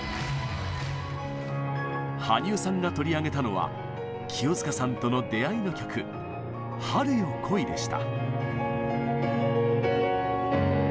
羽生さんが取り上げたのは清塚さんとの出会いの曲「春よ、来い」でした。